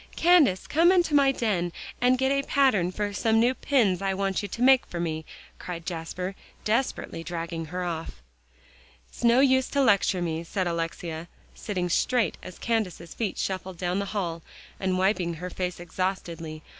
"Candace, come into my 'den' and get a pattern for some new pins I want you to make for me," cried Jasper, desperately dragging her off. "It's no use to lecture me," said Alexia, sitting straight as Candace's feet shuffled down the hall, and wiping her face exhaustedly.